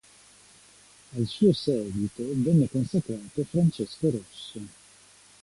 Al suo seguito, venne consacrato Francesco Rosso.